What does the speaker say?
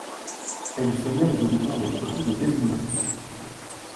Elle y soigna les habitants avec beaucoup de dévouement.